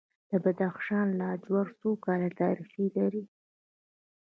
د بدخشان لاجورد څو کاله تاریخ لري؟